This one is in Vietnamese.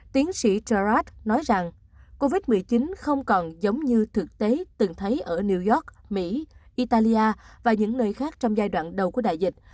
tiến sĩ trờat nói rằng covid một mươi chín không còn giống như thực tế từng thấy ở new york mỹ italia và những nơi khác trong giai đoạn đầu của đại dịch